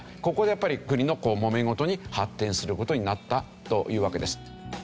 ここでやっぱり国のもめ事に発展する事になったというわけです。